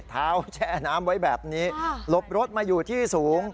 แช่น้ำไว้แบบนี้หลบรถมาอยู่ที่สูง